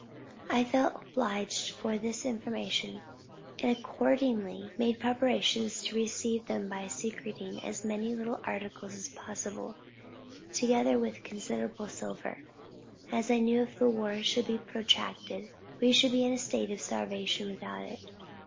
I felt obliged for this information, and accordingly made preparations to receive them by secreting as many little articles as possible; together with considerable silver; as I knew if the war should be protracted, we should be in a state of starvation without it.